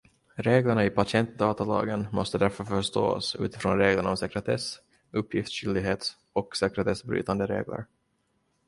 Reglerna i patientdatalagen måste därför förstås utifrån reglerna om sekretess, uppgiftsskyldighet och sekretessbrytande regler.